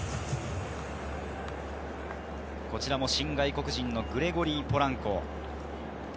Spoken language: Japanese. こちらも新外国人のグレゴリー・ポランコ。